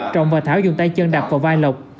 trọng và thảo dùng tay chân đạp vào vai lộc